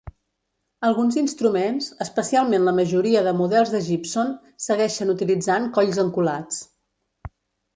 Alguns instruments (especialment la majoria de models de Gibson) segueixen utilitzant colls encolats.